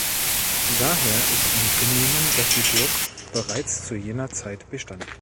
Daher ist anzunehmen, dass die Burg bereits zu jener Zeit bestand.